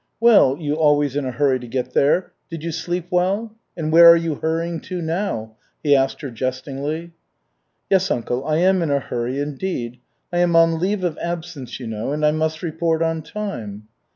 "Well, you 'always in a hurry to get there,' did you sleep well? And where are you hurrying to now?" he asked her jestingly. "Yes, uncle, I am in a hurry, indeed. I am on leave of absence, you know, and I must report on time."